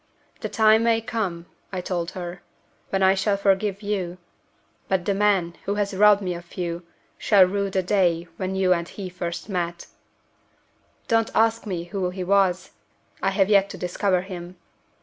'The time may come,' I told her, 'when I shall forgive you. But the man who has robbed me of you shall rue the day when you and he first met.' Don't ask me who he was! I have yet to discover him.